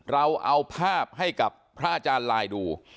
เราเอาภาพให้กับพระอาจารย์ลายดู